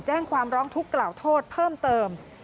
แจ้งความร้องทุกข์กล่าวโทษเพิ่มเติม